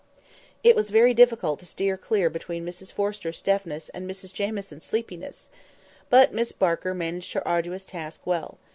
It was very difficult to steer clear between Mrs Forrester's deafness and Mrs Jamieson's sleepiness. But Miss Barker managed her arduous task well.